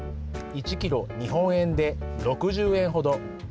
１ｋｇ、日本円で６０円ほど。